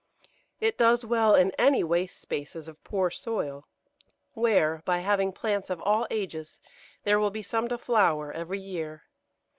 It does well in any waste spaces of poor soil, where, by having plants of all ages, there will be some to flower every year.